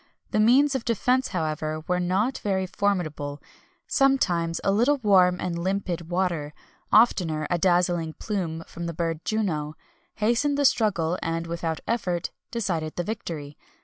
The means of defence, however, were not very formidable; sometimes a little warm and limpid water oftener a dazzling plume from the bird of Juno hastened the struggle, and, without effort, decided the victory.